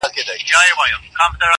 دنیا ډېره بې وفاده عاقلان نه په نازېږي,